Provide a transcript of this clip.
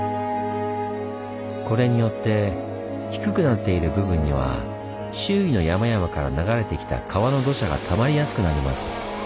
これによって低くなっている部分には周囲の山々から流れてきた川の土砂がたまりやすくなります。